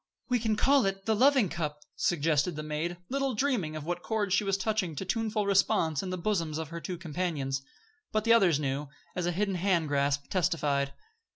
"We can call it 'the Loving Cup,'" suggested the maid, little dreaming what chords she was touching to tuneful response in the bosoms of her two companions. But the others knew, as a hidden hand grasp testified.